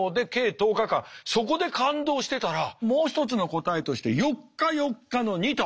そこで感動してたらもう一つの答えとして４日４日の２と！